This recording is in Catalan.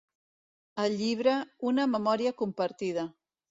El llibre Una memòria compartida.